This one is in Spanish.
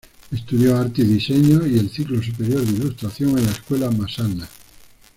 Estudió Arte y Diseño y el Ciclo superior de Ilustración en la Escuela Massana.